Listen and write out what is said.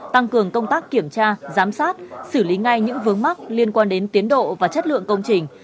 tăng cường công tác kiểm tra giám sát xử lý ngay những vướng mắc liên quan đến tiến độ và chất lượng công trình